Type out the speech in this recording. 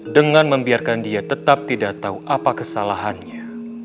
dengan membiarkan dia tetap tidak tahu apa kesalahannya